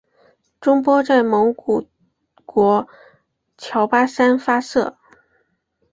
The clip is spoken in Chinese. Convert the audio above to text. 中波在蒙古国乔巴山发射。